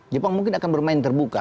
jepang mungkin akan bermain terbuka